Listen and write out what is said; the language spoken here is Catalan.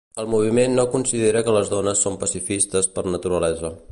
El moviment no considera que les dones són pacifistes per naturalesa.